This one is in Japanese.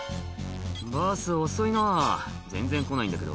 「バス遅いな全然来ないんだけど」